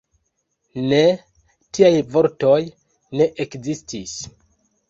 Ne, tiaj vortoj ne ekzistis!